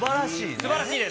すばらしいです。